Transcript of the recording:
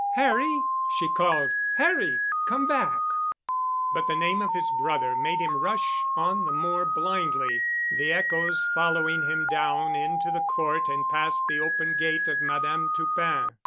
"Harry," she called, "Harry—come back!" But the name of his brother made him rush on the more blindly, the echoes following him down into the court and past the open gate of Madame Toupin.